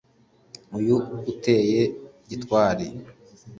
Uyu uteye gitwali